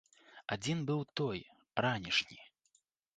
Адзін быў той, ранішні.